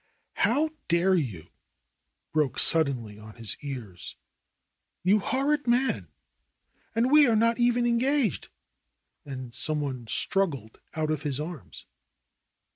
"How dare you !" broke suddenly on his ears. "You horrid man! And we are not even engaged!" And some one struggled out of his arms.